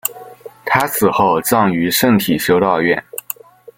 她死后葬于圣体修道院。